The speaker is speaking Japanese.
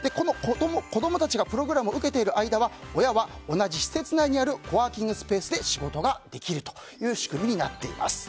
子供たちがプログラムを受けている間は親は同じ施設内にあるコワーキングスペースで仕事ができる仕組みになっています。